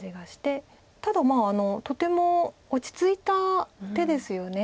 ただとても落ち着いた手ですよね。